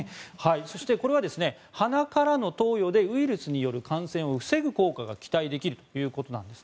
そして、これは鼻からの投与でウイルスによる感染を防ぐ効果が期待できるということなんです。